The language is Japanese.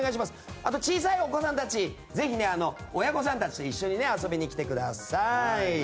あと、小さいお子さんたち親御さんたちと一緒に遊びに来てください。